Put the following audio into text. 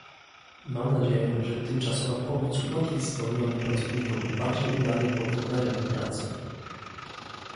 Mam nadzieję, że tymczasowa pomoc ułatwi zwolnionym pracownikom bardziej udany powrót na rynek pracy